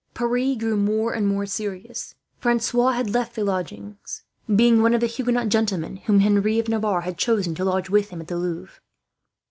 Pierre grew more and more serious. Francois had left the lodgings, being one of the Huguenot gentlemen whom Henri of Navarre had chosen to lodge with him at the Louvre.